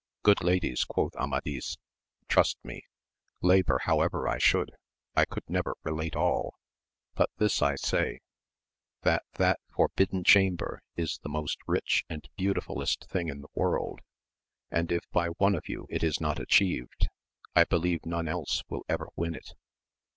Good ladies, quoth Amadis, trust me, labour however I should, I could never relate all ; but this I say, that that Forbidden Chamber is the most rich and beautifullest thing in the world, and if by one of you it is not atchieved, I believe none else will ever win it.